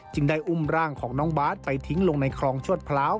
ได้อุ้มร่างของน้องบาทไปทิ้งลงในคลองชวดพร้าว